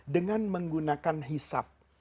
dengan menggunakan hisab